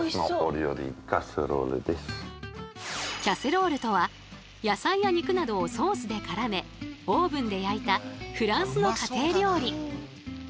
「キャセロール」とは野菜や肉などをソースでからめオーブンで焼いたフランスの家庭料理。